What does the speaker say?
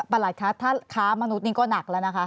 ประหลักค่ะถ้าค้ามนุษย์นี้ก็หนักแล้วนะคะ